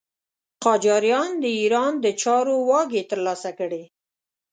قاجاریان د ایران د چارو واګې تر لاسه کړې.